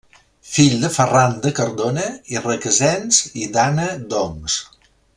Fill de Ferran de Cardona i Requesens i d'Anna d'Oms.